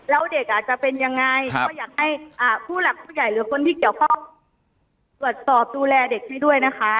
แล้วเด็กอาจจะเป็นยังไงก็อยากให้ผู้หลักผู้ใหญ่หรือคนที่เกี่ยวข้องตรวจสอบดูแลเด็กให้ด้วยนะคะ